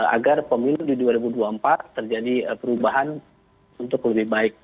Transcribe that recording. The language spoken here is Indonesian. agar pemilu di dua ribu dua puluh empat terjadi perubahan untuk lebih baik